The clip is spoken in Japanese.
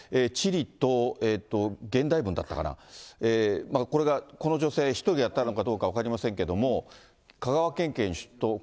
地理と現代文だったかな、これが、この女性１人でやったのかどうか分かりませんけれども、香川県警に出頭。